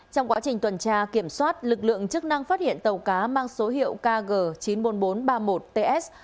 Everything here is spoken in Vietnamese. trong quá trình tuần tra kiểm soát lực lượng chức năng phát hiện tàu cá mang số hiệu kg chín mươi bốn nghìn bốn trăm ba mươi một ts